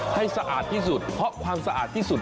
สะอาดที่สุดเพราะความสะอาดที่สุด